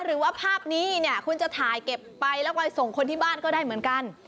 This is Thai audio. หรือว่าภาพนี้เนี่ยคุณจะถ่ายเก็บไปแล้วก็ไปส่งคนที่บ้านก็ได้เหมือนกัน